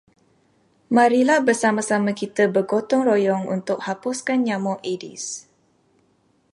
Marilah bersama-sama kita bergotong royong untuk hapuskan nyamuk aedes.